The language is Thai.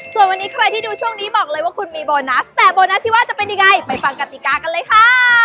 ส่วนวันนี้ใครที่ดูช่วงนี้บอกเลยว่าคุณมีโบนัสแต่โบนัสที่ว่าจะเป็นยังไงไปฟังกติกากันเลยค่ะ